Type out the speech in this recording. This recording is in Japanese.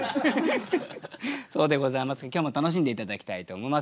そうでございますか今日も楽しんで頂きたいと思います。